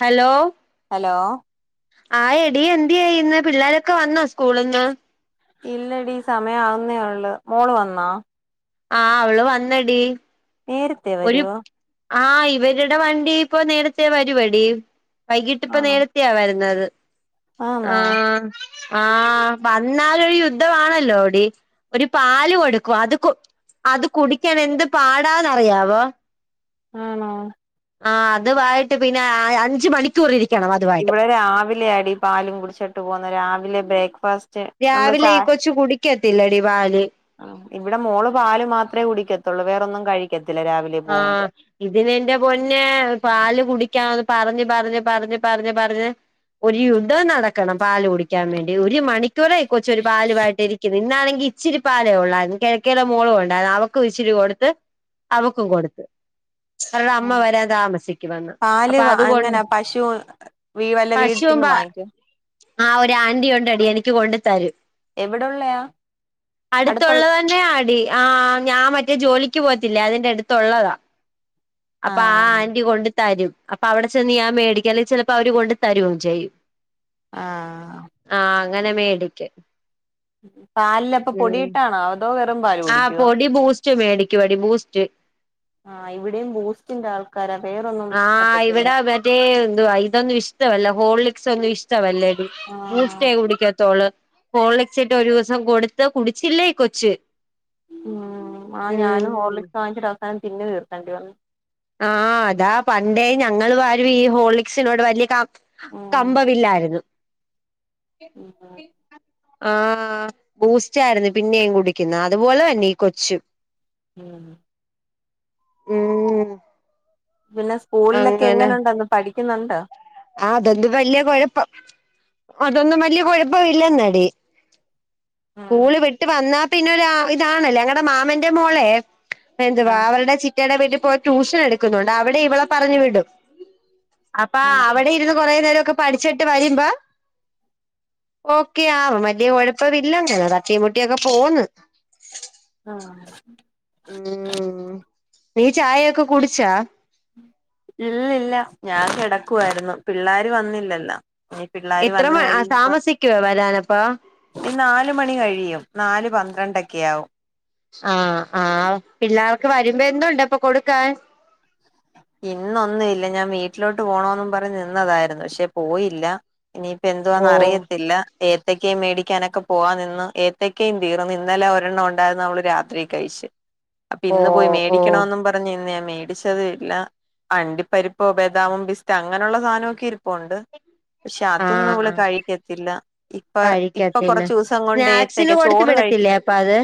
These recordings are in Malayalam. ഹലോ. ഹലോ ആഹ് എടീ എന്തിയേ ഇന്ന് പിള്ളേരൊക്കെ വന്നോ സ്കൂളീന്ന്. ഇല്ലടീ സമയം ആവുന്നേ ഉള്ളൂ. മോള് വന്നാ? ആഹ് അവള് വന്നടി. നേരത്തെ വരോ? ആഹ് ഇവരുടെ വണ്ടി ഇപ്പോ നേരത്തെ വരുവടി വൈകിട്ട് ഇപ്പോ ആണോ നേര ത്തെയാ വരുന്നത് ആന്നാ ആഹ് ആഹ് വന്നാലൊരു യുദ്ധവാണല്ലോടി. ഒരു പാല് കൊടുക്കും. അത് കൊ അത് കുടിക്കാൻ എന്ത് പാടാന്നറിയാവോ. ആണോ? ആഹ് അതുവായിട്ട് പിന്നെ അഞ്ച് മണിക്കൂർ ഇരിക്കണം അതുവായിട്ട് ഇവിടെ രാവിലെ ആടി പാലും കുടിച്ചിട്ട് പോകുന്നു രാവിലെ ബ്രേക്ക് ഫാസ്റ്റ് രാവിലെ ഈ കൊച്ച് കുടിക്കത്തില്ലെടി പാല്. അഹ് ഇവിടെ മോള്പാല് മാത്രേ കുടിക്കത്തൊള്ളൂ വേറൊന്നും കഴിക്കത്തില്ലരാവിലെ ആഹ് ഇതിനെന്റെ പൊന്നെപാല് കുടിക്കാന്ന് പറഞ്ഞ്, പറഞ്ഞ്, പറഞ്ഞ്, പറഞ്ഞ്, പറഞ്ഞ് ഒരു യുദ്ധം നടക്കണം പാല് കുടിക്കാൻ വേണ്ടി ഒര് മണിക്കൂറായി കൊചൊരു പാല് വായീട്ട് ഇരിക്ക്ണ് ഇന്നാണെങ്കി ഇച്ചിരിപ്പാലെ ഒള്ളായിരുന്നു കിഴക്കേലെ മോളുണ്ടായിരുന്നു അവകു ഇച്ചിരി കൊട്ത്ത് കും കൊട്ത്ത് അവരുടെ അമ്മ വെരാൻ താമസിക്കുമെന്ന് പാല് അപ്പൊ അതുകൊണ്ട് എങ്ങനാ പശു വീ വല്ല പശുവും വീട്ടിൽന്ന് പ വാങ്ങിക്കോ ആഹ് ഒര് ആന്റി ഒണ്ടേടി എനിക്ക് കൊണ്ട് തരും എവിടെള്ളയാ അടുത്തുള്ള അടുത്തുള്ളവ തന്നെആടി ആ ഞാൻ മറ്റേ ജോലിക്ക് പോവത്തില്ലേ അതിന്റെ അടുത്തൊള്ളതാ. അപ്പൊ ആ ആഹ് ആന്റി കൊണ്ട് തരും അപ്പൊ അവിടെ ചെന്ന് ഞാൻ മേടിക്ക അല്ലെൽ ചെലപ്പോ അവര് കൊണ്ട് തരും ചെയ്യും. ആഹ് ആഹ് അങ്ങനെ മേടിക്ക് പാലിൽ അപ്പൊ പൊടിയിട്ടാണോ? വെറും പാല് ആഹ് കുടിക്കുവോ പൊടി ബൂസ്റ്റ്മേടിക്കുമേടി ബൂസ്റ്റ് ആഹ് ഇവടിം ബൂസ്റ്റിന്റെ ആൾക്കാരാ വേറൊന്നും പറ്റത്തില്ല ഇവടെ മറ്റേ എന്തുവാ ഇതൊന്നും ഇഷ്ട്ട വല്ല ഹോൾലിക്സൊന്നും ഇഷ്ട്ടവല്ല ആഹ് ബൂസ്റ്റേ കുടിക്കേത്തള് ഹോളിക്സ് ഇട്ട് ഒര് ദിവസം കൊടുത്ത് കുടിച്ചില്ലേ ഈകൊച്ച് ഉം ആഹ് ഞാനും ഹോർലിക്സ് വാങ്ങിച്ചിട്ട് അവസാനം തിന്നു തീർത്തേണ്ടി വന്നു. ആഹ് അതാ പണ്ടേ ഞങ്ങള് വാരും ഈ ഹോളീക്സിനോട് വല്ല്യാ കം ഉം കമ്പവില്ലായിരുന്നു ആഹ് ബൂസ്റ്റായിരുന്നു പിന്നെയും കുടിക്കുന്നത് അതുപോലെതെന്നെ ഈ കൊച്ച് ഉമ് ഉം പിന്നെ സ്കൂളിലൊക്കെ എങ്ങനെയുണ്ടന്ന് പഠിക്കൊന്നുണ്ടോ? ആ അതൊന്തു വല്യ കൊഴപ്പം അതൊന്നും വല്ല്യാ കൊഴപ്പംഇല്ലെന്നെടി. ഉം സ്കൂൾ വിട്ട് വന്നാപിന്നെരു അ ഇതാണ് ഞങ്ങളെ മാമന്റെ മോളെ എന്തുവാ ആഹ് അവരുടെ ചിറ്റാടെ വീട്ടിൽ പോയി ട്യൂഷൻ എടുക്കുന്നുണ്ട് അവിടെ ഇവളെ പറഞ്ഞുവിടും. അപ്പ ആഹ് അവിടെ ഇരുന്ന് കൊറേനേരൊക്കെ പഠിച്ചിട്ട് വരുമ്പ ഓക്കെയാവും വല്യാ കുഴപ്പമില്ലെന്ന് തട്ടീംമുട്ടിയൊക്കെ പോവ്ന്ന്. ആഹ് ഉം നീ ചായൊക്കെ കുടിച്ചാ? ഇല്ലില്ല ഞാൻ കിടക്കുവായിരുന്നു പിള്ളേര് വന്നില്ലല്ലോ? ഇനി പിള്ളാര് എത്രമ വന്ന് താമസിക്കോ വരാനപ്പോ ഇ നാല് മണി കഴിയും നാല് പന്ത്രണ്ടൊക്കെ ആവും. ആഹ് ആഹ് പിള്ളാർക്ക് വരുമ്പോ എന്തുണ്ട് പ്പൊ കൊടുക്കാൻ? ഇന്നൊന്നുംല്ല്യാ ഞാൻ വീട്ടിലോട്ട് പോണോന്നും പറഞ്ഞ് നിന്നതായിരുന്നു പക്ഷെ പോയില്ല ഇനിയിപ്പോ ഓ എന്തുവാന്ന് അറിയത്തില്ല ഏത്തക്കേം മേടിക്കാനൊക്കെ പോവാൻ നിന്നു ഏത്തക്കയും തീർന്നു ഇന്നലെ ഒരെണ്ണം ഒണ്ടായിരുന്നു അവള് രാത്രി കഴിച്ച് [inaudible] അപ്പൊന്ന് പോയി ഓ മേടിക്കണോന്നും പറഞ് ന്നിന്ന് ഞാൻൻ മേടിച് റ്റതുല്ല അണ്ടിപ്പരിപ്പോ ബെദാമും പിസ്തിം അങ്ങനെയള്ള സാധനമൊക്കെ ഇരിപ്പൊണ്ട്. [inaudible] ആ ഹാ ഇപ്പ ഇപ്പൊ കഴിക്കതില്ലേ? കൊറച്ച് ദിവസം കൊണ്ട് സ്നാക്സിന് ഏത്തക്ക കൊടുത് ചോറ് വിടത്തില്ലേഅ പ്പത്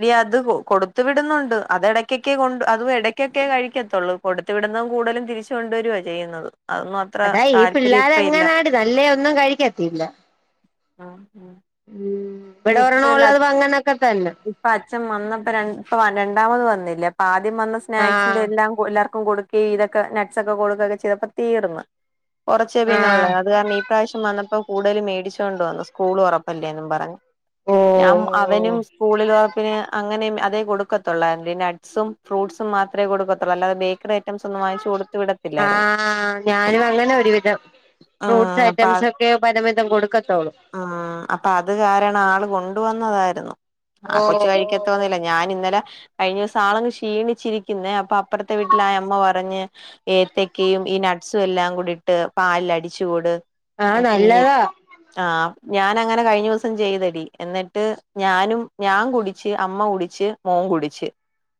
എടി അത് കൊടുത്തു വിടുന്നുണ്ട് അത് ഇടക്കൊക്കെ കൊണ്ട് അതും ഇട ഒക്കൊക്കെ കഴിക്കത്തൊള്ളൂ. കൊടുത്തവിടുന്നത്കൂടുതലുംതിരിച്ച് കൊണ്ടുവരുകയാചെയ്യുന്നത് അതൊ അതാ ഈ പിള്ളാര്അങ്ങനാടി ന ല്ലേ ഒന്നും കഴിക്കത്തിയില്ല ആ ഉം ഉം ഇത് ഇവിടെ ഇപ്പഴല്ല ഒരെണ്ണമുള്ളത് അങ്ങനൊക്കെ തന്നെ. ഇപ്പൊ അച്ഛൻ വന്നപ്പം ര ഇപ്പം രണ്ടാമത് വന്നില്ലേ അപ്പം ആദ്യം വന്ന സ്നാക്സിന്റെ ആഹ് എല്ലാം എല്ലാവർക്കും കൊടുക്കുകയും ഇതൊക്കെ നട്ട്സ് ഒക്കെ കൊടുക്കുകയൊക്കെ ചെയ്തപ്പോ തീർന്ന് കുറച്ചേ പിന്നെ ഉള്ളു ആഹ് അത് കാരണംഇ ഈ പ്രവശ്യം വന്നപ്പോ കൂടുതൽ മേടിച്ചോണ്ട് വന്നു സ്കൂൾ തുറപ്പല്ലേന്ന് പറഞ്ഞു. ഓ ഞാൻ അവനും സ്കൂളിൽ തുറപ്പിന് അങ്ങനെമ് അതെ കൊടുക്ക ക്കത്തൊള്ളായിരുന്നു നട്സും ഫ്രൂഡ്സും, മാത്രമേ കൊടുക്കത്തുള്ളായിരുന്നു. അല്ലാതെ ബേക്കറി ഐറ്റംസ് ഒന്നും വാങ്ങിച്ച്കൊടുത്തവിട ആ ഞാനും അങ്ങനാ ഒരുവിധം ഫ്രൂട്ട്സ് ഉം ഐറ്റംസ് ഒക്കെ പലവിധം കൊടുക്കത്തൊള്ളൂ. ആ അപ്പൊ അത് കാരണം ആൾ കൊണ്ടുവന്നതായിരുന്നു ആ ഓ കൊച്ച് ഓ കഴിക്കത്തൊന്നില്ല ഞാൻ ഇന്നലെ കഴിഞ്ഞ ദിവസം ആളങ്ങ് ക്ഷീണിച്ചിരിക്കുന്നേ അപ്പൊ അപ്പുറത്തെ വീട്ടിലെ ആ അമ്മ പറഞ്ഞ് ഏത്തക്കയും ഈ നട്സും എല്ലാം കൂടി ഇട്ട് പാലിലടിച്ചു കൊട് ആഹ് കുഞ്ഞി നല്ലതാ ആ ഞാനങ്ങനെ കഴിഞ്ഞ ദിവസം ചെയ്തു എന്നിട്ട് ഞാനും ഞാൻ കുടിച്ച് അമ്മ കുടിച്ച് മോൻ കുടിച്ച്-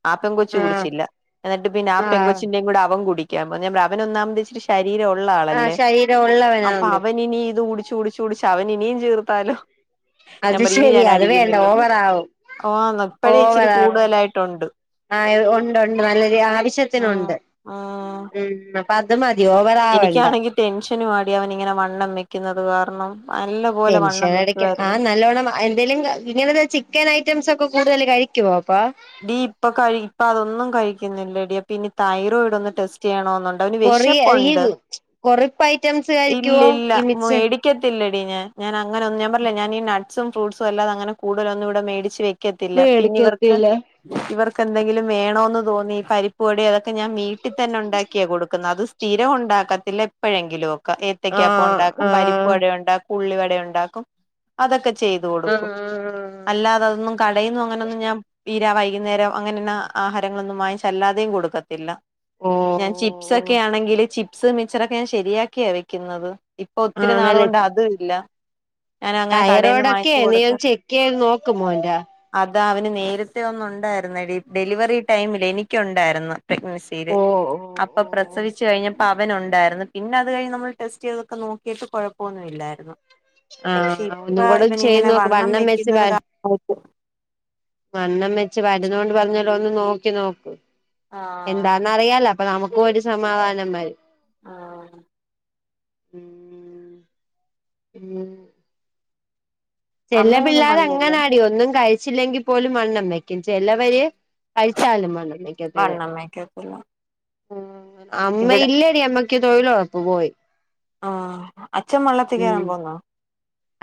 ആ പെങ്കെച്ച് ആഹ് കുടിച്ചില്ല. എന്നിട്ട് പിന്നെ ആ ആഹ് പെൺകൊച്ചിന്റയും കൂടെ അവൻ കുടിക്കാൻപറഞ്ഞു. അവൻ ഒന്നമത് ഇച്ചിരി ശരീരമുള്ള ആഹ് ആളല്ലേ ശരീരം അപ്പൊ ഉള്ളവനാന്ന് അവൻ ഇനി ഇത് കുടി [unintelligible] അവൻ ഇനിയും ചീർത്താലോ. ഞാൻ അത് പറയും ഇനി ഞാൻ ശരിയാ അത് വേണ്ട അടിക്കുന്നില്ലെന്ന് ഓവർ ആവും ആന്ന് ഇപ്പഴേ ഓവർ ഇച്ചിരി ആവും കൂടുതലായിട്ടുണ്ട് ആ ഉണ്ടുണ്ട് നല്ല രീതി ഉം ഉം ആവശ്യത്തിനുണ്ട്ഉംഅത് മതി ഓവ എനിക്കാണെങ്കി ടെൻഷനും ആടി അവൻ ഇങ്ങനെ വണ്ണം വെക്കുന്നത് കാരണംനല്ല ടെൻഷൻ അടിക്ക ആ നല്ലോണം അ എന്തേലും പിന്നെ അവന് ചിക്കൻ ഐറ്റംസ് ഒക്കെ കൂടുതൽ കഴിക്കുവോ അപ്പൊ ഡീ ഇപ്പൊ കഴി ഇപ്പ അതൊന്നും കഴിക്കുന്നില്ലടി അപ്പൊ ഇനി തൈറോയിഡ് ഒന്ന് ടെസ്റ്റ് ചെയ്യണമെന്നു അവന് വിശപ്പുണ്ട്ഇല്ലില്ല കൊറിയ ഈ കൊറിപ്പ് ഐറ്റംസ് കഴിക്കുവോ ഈ മിച്ച മേടി ക്കത്തില്ലടി ഞാൻ ഞാൻ അങ്ങനൊന്നും ഞാൻ പറഞ്ഞില്ലേ ഈ നട്ട്സും ഫ്രൂട്ട്സും അല്ലാതെ അങ്ങനെ കടുതൽ ഒന്നു ഇവിടെ മേടിച്ച് വെക്കു ക്കത്തില്ലപിന്നെ ഇവർക്ക് മേടിക്കത്തില്ല ഇവർക്ക് എന്തെങ്കിലും വേണമെന്ന് തോന്നി പരിപ്പുവടയും അതൊക്കെ ഞാൻ വീട്ടിൽ തന്നെ ഉണ്ടാക്കി ക്കെ കൊടുക്കുന്നത് അത് സ്ഥിരം ഉണ്ടാക്കത്തില്ല എപ്പോഴെങ്കിലും ഒക്കെ ആഹ് ഏത്തക്കാപ്പംഉണ്ടാക്കും ആഹ് പരിപ്പുവടഉണ്ടാക്കും ഉള്ളിവടഉണ്ടാക്കും അതൊക്കെ ചെയ്തു കൊടുക്കും ആഹ് അല്ലാതെതൊന്നും കടേന്നു അങ്ങനൊന്നും ഞാൻ ഈ രാ വൈകുന്നേരം അങ്ങനെന്നും ആഹാരങ്ങളൊന്നും വാങ്ങിച്ചല്ലാതെയും കൊടുക്കത്തില്ല ഓ ഞാൻ ചിപ്സ് ഒക്കെ ആണെങ്കില് ചിപ്സ്മിച്ചറൊക്കെ ഞാൻ ശരിയാക്കിയാ വെക്കുന്നത് ഇപ്പൊ ഒത്തിരി നാളുകൊണ്ട് അതും ഇല്ല ഞാൻ അങ്ങനെ കടയിൽന്ന് തൈറോയിഡ് ഒക്കെ വാങ്ങിച്ചു നീ കൊടുക്കാ ഒന്ന് ചെക്ക് ചെയ്ത് നോക്ക് മോന്റെ അതാ അവന് നേരത്തെ ഒന്നുണ്ടായിരുന്നടി. ഡെലിവറി ടൈമിൽ എനിക്കുണ്ടായിരുന്നു. പ്രഗ്നസിയില് ഓ ഓ അപ്പൊ ഓ പ്രസവിച്ചു കഴിഞ്ഞ അവനുണ്ടായിരുന്നു പിന്നെ അത് കഴിഞ് നമ്മൾ ടെസ്റ്റ് ചെയ്തൊക്കെ നോക്കിയിട്ട് കുഴപ്പമൊന്നുമി ല്ലായിരുന്നു. പക്ഷെ ആഹ് ഒന്നും ഇപ്പൊ കൂടെ ചെയ്ത് ഇവനിങ്ങനെ നോക്ക് വണ്ണം വെച്ച് വെക്കുന്നത് കാര വണ്ണം വെച്ച് വരുന്നൊണ്ട് പറഞ്ഞ പോലെ ഒന്ന് നോക്കി നോക്ക്. ആഹ് എന്താന്നറിയാലോ അപ്പൊ നമ്മുക്കും ഒരു സമാധാനം വരും ആഹ് ഉം ഉം അമ്മയൊന്നും ചിലപിള്ളര് വന്നില്ലേ അങ്ങനാടി ഒന്നും കഴിച്ചില്ലെങ്കിൽ പോലും വണ്ണം വെയ്ക്കുംചെലവര് കഴിച്ചാലും വണ്ണം വെയ്ക്കത്തില്ല വണ്ണം വെക്കത്തില്ല ഉ അമ്മ ഇവിടെ ഇല്ലടി അമ്മക്ക് തൊഴിലോ അപ്പൊ പോയി ആ അച്ഛൻ ഉം വള്ളത്തിക്കേറാൻ പോന്നോ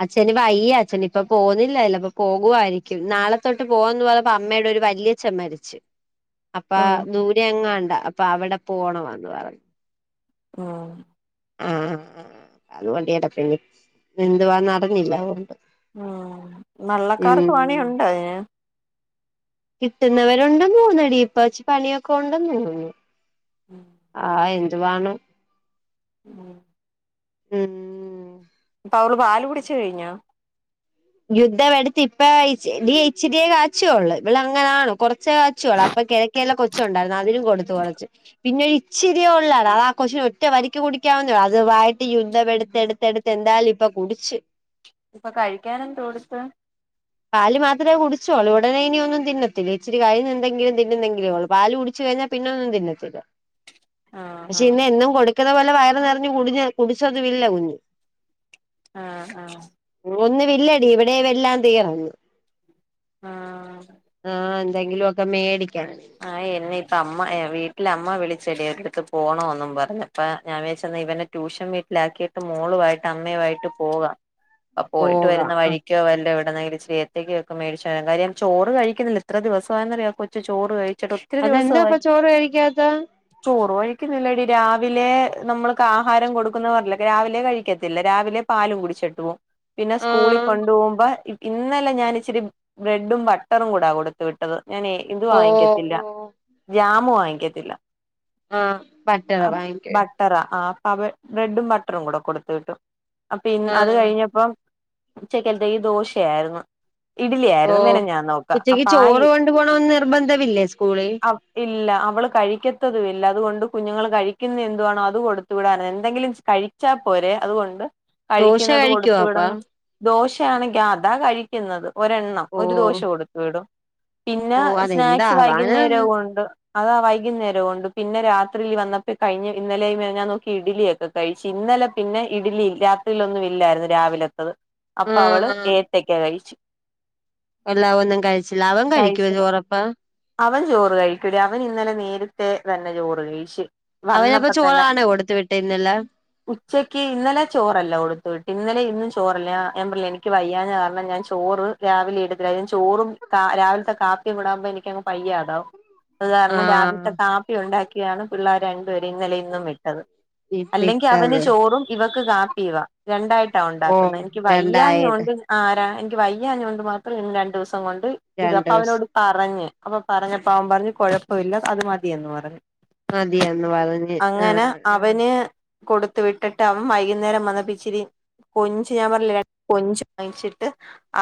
അച്ഛന് വയ്യ അച്ഛനി ഇപ്പൊ പോകുന്നില്ലല്ലോ അപ്പൊ പോകുവായിരിക്കും നാളെത്തോട്ട് പോവാന്ന് പറ അപ്പ അമ്മയുടെ ഒരു വല്യച്ഛൻ മരിച്ചു അപ്പ ആഹ് ദൂരെ എങ്ങാണ്ട അപ്പൊ അവിടെ പോണമന്ന് പറഞ്ഞു ആ ആഹ അതുകൊണ്ടിടപ്പന്നെ നിതുവാൻ നടഞ്ഞില്ല അതുകൊണ്ട് ഉ നള്ളക്കാർക്ക് ഉം പണിയുണ്ടോ അതിന് കിട്ടുന്നവരുണ്ടെന്ന് തോന്നടി പ്പ വെച്ച് പണിയൊക്കെണ്ടെന്ന് തോന്നുന്നു ആഹ് എന്തുവാണോ ഉം ഉം അപ്പ അവള് പാല് കുടിച്ച് കഴിഞ്ഞ യുദ്ധം എടുത്ത് ഇപ്പൊ ഇ ഇച്ചിരിയെ കാച്ചിയൊള്ളൂ ഇവള അങ്ങനാണ കുറച്ചേ കാച്ചുയൊള്ളൂ അപ്പൊ കെ ല കൊച്ച് ഉണ്ടായിരുന്നു അതിനും കൊടുത്തു കുറച്ച് പിന്നെ ഇച്ചിരിയൊള്ളടാ ആഹ് കൊച്ചിന് ഒറ്റ വലിക്ക് കുടിക്കാവുന്നൊള്ളൂ അതുവായിട്ട് യുദ്ധവെടുത്ത് എടുത്ത്ടുത്ത് എന്തായാലും ഇപ്പൊ കുടിച്ച് ഇപ്പൊ കഴിക്കാന എന്ത കൊടുത്ത് പാല് മാത്രമേ കുടിച്ചോളൂ ഉടനെ ഇനി ഒന്നും തിന്നത്തില്ല ഇച്ചിരി കഴിഞ്ഞ് എന്തെങ്കിലും തിന്നുന്നെങ്കിലേ ഉള്ളൂ പാല് കുടിച്ച് കഴിഞ്ഞാൽ പിന്നൊന്നും തിന്നത്തില്ല ആഹ് പക്ഷെ ആഹ് ഇന്ന് എന്നും കൊടുക്കുന്ന പോലെ വയറ് നിറഞ്ഞ് കുടിഞ്ഞ കുടിച്ചത ഇില്ല കുഞ്ഞ് ആഹ ആഹ ഒന്നു വില്ലടി ഇവിടെ എല്ലാം തീർന്നു ആഹ് ആഹ് എന്തെങ്കിലും ഒക്കെ മേടിക്കാൻ ആഹ് എന്നെ ഇപ്പ അമ്മ വീട്ടിലമ്മ വിളിച്ചടി എടുത്തിട്ട് പോണോന്നും പറഞ്ഞ് പ്പ ഞാൻ വെച്ച് ഇവന ട്യൂഷൻ വീട്ടിലാക്കിയിട്ട് മോളുമായിട്ട് അമ്മയുമായിട്ട് പോകാം [inaudible] അ പോയിട്ട് വരുന്ന പോകാം ആ വഴിക്കോ വല്ലോ എവിടെന്നെങ്കിലും ഇച്ചിരി ഉച്ചക്കൊക്കെ മേടിച്ച കാര്യം ചോറ് കഴിക്കുന്നില്ല ഇത്ര ദിവസമായന്നറിയോ കൊച്ച് ചോറ് കഴിച്ചിട്ട് ഒത്തിരി ദിവസമായി അതെന്താപ്പ ചോറ് കഴിക്കാത്ത ചോറ് കഴിക്കുന്നില്ലടി രാവിലെ നമ്മൾക്ക് ആഹാരം കൊടുക്കുന്ന പറഞ്ഞെ രാവിലെ കഴിക്ക ത്തില്ല രാവിലെ പാലും കുടിച്ചിട്ട് പോവും പിന്നെ സ്കൂളിൽ ആഹ് കൊണ്ടു പോകുമ്പോ ഇന്നലെ ഞാനിച്ചിരി ബ്രെഡും ബട്ടറും കൂടാ കൊടുത്തു വിട്ടത് ഞാനേ ഇതു ഓ വാങ്ങിക്കത്തില്ല ഓ ജാമ് വാങ്ങിക്കത്തില്ല ആഹ് പറ്റത ബാങ്ക് ബട്ടറാ ആഹ് അപ്പ ബ്രെഡും ബട്ടറും കൂടെ കൊടുത്ത്‌ വിട്ടു അപ്പ ഇന്ന് അത് ആഹ് കഴിഞ്ഞപ്പം ഉച്ചക്കത്തെ ഈ ദോശയായിരുന്നു ഇഡ്ലി ഓ ആയിരുന്നു മെനഞ്ഞാന്നൊക്കെ ഉച്ചക്ക് അപ്പ ആ ഇ ചോറ് കൊണ്ടു പോണന്ന് നിർബന്ധവില്ലേ സ്കൂളിൽ ഇല്ല അവള് കഴിക്കത്തതും ഇല്ല അതുകൊണ്ട് കുഞ്ഞുങ്ങൾ കഴിക്കുന്ന എന്തുവാണോ അത് കൊടുത്തു വിടാ [unintelligible] എന്തെങ്കിലും കഴി ച്ചാ പോരെ അതുകൊണ്ട് ദോശ കഴിക്കുന്നത് കഴിക്കുവോ കൊടുത്തു അപ്പ വിടണം ദോശയാണെങ്കി ആ അതാ കഴിക്കുന്നത് ഒരെണ്ണം ഓ ഒരു ദോശ കൊടുത്തു വിടും പിന്നെ ഓ അതെന്താ സ്നാക്സ് ആവാനാന്ന് വൈകുന്നേരവും ഉണ്ട് അതാ വൈകുന്നേരം ഉണ്ട് പിന്നെ രാത്രിയിൽ വന്നപ്പോ കഴിഞ് ഇന്നലെ മിനിഞ്ഞാന്നൊക്കെ ഇഡലിയൊക്കെ കഴിച്ചു ഇന്നലെ പിന്നെ ഇഡലി രാത്രിയിലൊന്നും ഇല്ലായിരുന്നു രാവിലെത്തത് അപ്പൊ അവള് ആഹ് ഏത്തക്ക കഴിച്ചു ഇല്ല ഒന്നും കഴിച്ചില്ല അവൻ കഴിക്കോ കഴിച്ചു ചോറപ്പോ അവൻ ചോറ് കഴിക്കൂല അവൻ ഇന്നലെ നേരത്തെ തന്നെ ചോറ് കഴിച്ച് അവനപ്പ വന്നപ്പോ തന്നെ ചോറാണോ കൊടുത്തു വിട്ടേന്നലെ ഉച്ചക്ക് ഇന്നലെ ചോറല്ല കൊടുത്തു വിട്ട് ഇന്നലെ ഇന്നും ചോറല്ല ഞാ ഞാൻ പറഞ്ഞില്ലെ എനിക്ക് വയ്യാന കാരണം ഞാൻ ചോറ് രാവിലെ ഇടും ചോറും കാ രാവില ഇവിത്തെ കാപ്പി വിടാപോ എനിക്ക ങ് വയ്യാതാവും അത് കാരണം ആഹ് രാവിലത്തെ കാപ്പി കു ഉണ്ടാക്കിയാണ് പിള്ളേർ രണ്ടേ രിം ഇന്നലെ ഇന്നും വിട്ടത്. അല്ലെങ്കി അവന് വിട്ടത് ചോറും ഇവക്ക് കാപ്പിയുവ. രണ്ടായിട്ടാ ഓ ഉണ്ടാക്കുന്നെ. ഇൻക്ക് രണ്ടായത് വയ്യാഞ്ഞൊണ്ട് ആരാ എനിക്ക് വയ്യാഞ്ഞോണ്ട് കൊണ്ട് മാത്രം രണ്ടു ദിവസം കൊണ്ട് ഇത് രണ്ട് അപ്പൊ അവനോട് ദിവസം പറഞ്ഞ് അപ്പൊ പറഞ്ഞപ്പവൻ പറഞ്ഞ് കൊഴപ്പമില്ല അത് മതിയന്ന് പറഞ്ഞ് മതിയന്ന് പറഞ്ഞ് ആ അവന് കൊടുത്തു വിട്ടിട്ട് അവൻ വൈകുന്നേരം വന്നപ്പിച്ചിരി കൊഞ്ച് ഞാൻ പറഞ്ഞീലെ കൊഞ്ച് വാങ്ങിച്ചിട്ട്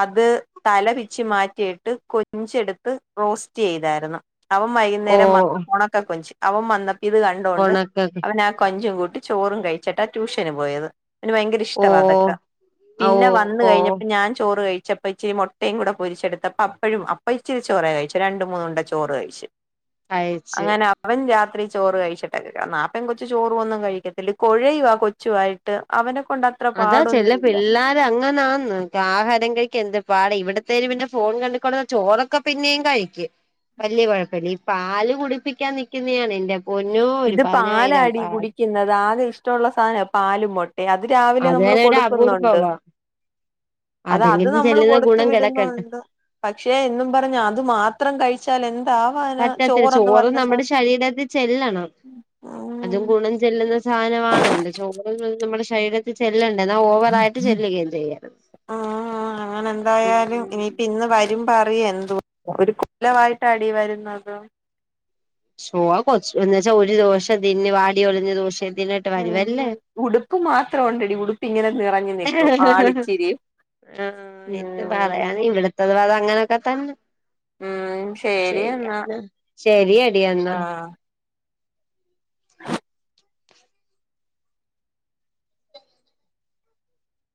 അത് തലപിച്ചി മാറ്റിട്ട് കൊഞ്ചേടുത്ത് റോസ്റ്റ് ചെയ്തര്ന്നു. അവൻ ഓ വൈകുന്നേരം വ ക്ക കൊഞ്ച് അവൻ വന്നപ്പ ഇത് കണ്ടൊണ്ട് ഒണക്ക അവന ആ കൊഞ്ചും കൂട്ടി ചോറും കഴിച്ചിട്ടാ ട്യൂഷന് പോയത്. അവന് ഭയങ്കര ഇഷ്ടവാ ഓ തൊക്കെ ഓ പിന്നെ വന്ന് ഓ കഴിഞ്ഞപ്പോ ഞാൻ ചോറ് കഴിച്ച ചപ്പ ഇച്ചിരി മുട്ടയും കൂടെ പൊരിച്ചെടുത്തപ്പം അപ്പഴും അപ്പ ഇച്ചിരി ചോറ് കഴിച്ചു രണ്ട് മൂന്നുണ്ട ചോറ് കഴിച്ച്. കഴിച്ച് അങ്ങനെ അവൻ രാത്രി ചോറ് കഴിച്ചിട്ടാ ആ പെൺകൊച്ചു ചോറും ഒന്നും കഴിക്കത്തില്ല കുഴയുവാ കൊച്ചുവായി അവനെ കൊണ്ട അതാ ചെല പിള്ളാര് അങ്ങനാന്ന്. ആഹാരം കഴിക്ക എന്താ പാട ഇവിടത്തേര് പിന്നെ ഫോൺ കണ്ടിക്കൊണ്ട് ചോറൊക്കെ പിന്നെയും കഴിക്കും. വല്യ കുഴപ്പല്ലി ഈ പാല് കുടിപ്പിക്കാൻ നിക്കുന്നയാണ് എന്റെപൊന്നോ ഒരു പതിനായിരം പാൽ [unintelligible] ടിക്കുന്നത് ആകെ ഇഷ്ടള്ള സാധനാ പാലുംമൊട്ടെ അത് രാവിലെ അത് നമ്മള് തന്നെ ഒരു കൊടുക്കുന്നുണ്ട്. അപൂർവ്വവാ അത അത് അതെങ്കിലും നമ്മൾ ചെല്ലുന്ന കൊടുത്തു ഗുണം കിടക്കട്ടെ വിടുന്നുണ്ട് പക്ഷെ എന്നും പറഞ്ഞ അത് മാത്ര ത്രം കഴിച്ചാൽ എന്താവാനാ പറ്റത്തില്ല ചോറന്ന് ചോറ് പറഞ്ഞ സാ [unintelligible] ചെല്ലണം അതും ഉം ഗുണം ചെല്ലുന്ന സാധനമാണല്ലോ [unintelligible] ചോറ് നമ്മുടെ ശരീരത്തി ചെല്ലണ്ട എന്നാ ഓവറ ആയിട്ട് ഉം ചെല്ലുകയും ചെയ്യണം. അങ്ങനെ എന്തായാലും ഇനിയിപ്പം ഇന്ന് വരുമ്പറിയ എന്തു ഒരു കൊലമായിട്ട് അടി വരുന്നത് [unintelligible] ഷോ കൊച്ച എന്നന്ന്വച്ചാ ഒരു ദോഷംതിന്ന വാടിയ ഒളിഞ്ഞ ദിവശംതിന്നിട്ട് ഉം വരുവല്ലേ ഉടുപ്പ് മാത്രം ഒണ്ടടി ഉടു ഇങ്ങനെ നിറഞ്ഞു നിൽക്കും ആളിച്ചിരി ഉം [unintelligible] അതുവാത അങ്ങനെയൊക്കെ തന്നെ ഉം ശരി എന്നാ ശരിയാണ്. ശരിയെടി എന്നാ. ആ [unintelligible]